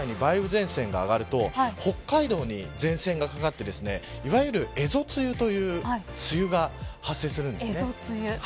前線が上がると北海道に前線がかかってですねいわゆる、蝦夷梅雨という梅雨が発生するんですよね。